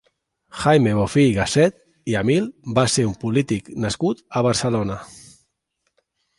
Jaime Bofill-Gasset i Amil va ser un polític nascut a Barcelona.